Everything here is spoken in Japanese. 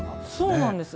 そうなんです。